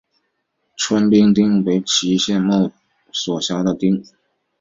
川边町为岐阜县加茂郡所辖的町。